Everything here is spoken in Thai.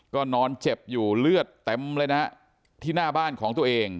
ก็นอนเจ็บอยู่เลือดเต็มเลยนะที่หน้าบ้านของตัวเอง